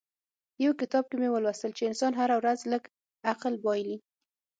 يو کتاب کې مې ولوستل چې انسان هره ورځ لږ عقل بايلي.